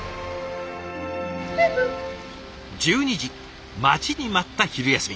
１２時待ちに待った昼休み。